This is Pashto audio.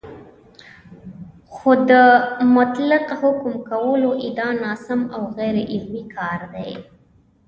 خو د مطلق حکم کولو ادعا ناسم او غیرعلمي کار دی